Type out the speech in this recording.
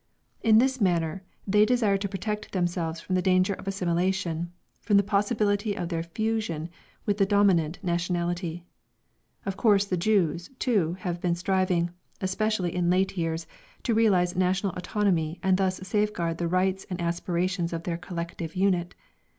In this manner they desire to protect themselves from the danger of assimilation, from the possibility of their fusion with the dominant nationality. Of course the Jews, too, have been striving, especially in late years, to realise national autonomy and thus safeguard the rights and aspirations of their collective unit.